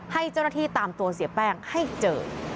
ให้เจ้าหน้าที่ตามตัวเสียแป้งให้เจอ